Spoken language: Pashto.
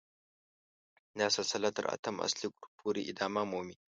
دا سلسله تر اتم اصلي ګروپ پورې ادامه مومي.